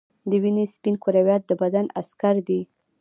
د وینې سپین کرویات د بدن عسکر دي